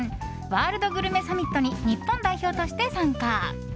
ワールドグルメサミットに日本代表として参加。